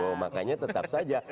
ya monggo makanya tetap saja